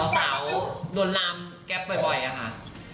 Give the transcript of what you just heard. สาวลวนลามแก๊ปบ่อยอะค่ะ